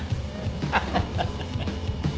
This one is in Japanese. ハハハハ。